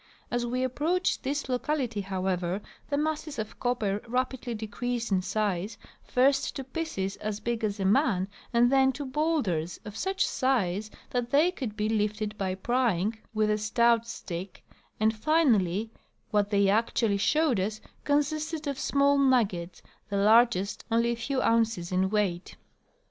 As we approached this locality, however, the masses of copper rapidly decreased in size, first to pieces as big as a man and then to bowlders of such size that they could be lifted by prying with a stout stick, and finally what they actually showed us consisted of small nuggets, the largest only a few ounces in weight.